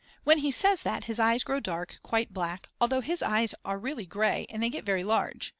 When he says that his eyes grow dark, quite black, although his eyes are really grey and they get very large.